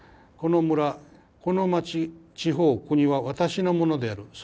「この村この町地方国は私のものである。